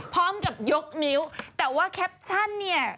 พร้อมกับยกนิ้วแต่ว่าแคปชั่นเนี่ย